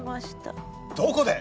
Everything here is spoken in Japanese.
どこで？